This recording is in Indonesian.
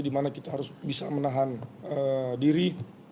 dimana kita harus bisa menahan diri